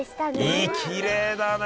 きれいだね。